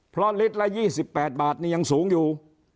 เพราะลิตรละ๒๘บาทนี่ยังสูงอยู่